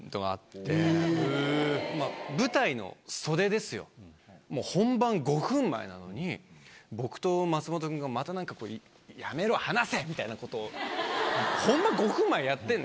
まぁ舞台の袖ですよもう本番５分前なのに僕と松本くんがまたなんかこう「やめろ！離せ！」みたいなことを本番５分前にやってるんですよ。